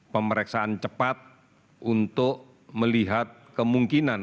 pemeriksaan cepat untuk melihat kemungkinan